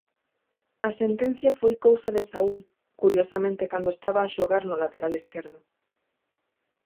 A sentencia foi cousa de Saúl, curiosamente cando estaba a xogar no lateral esquerdo.